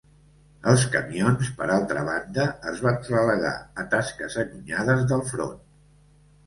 Els camions, per altra banda, es van relegar a tasques allunyades del front.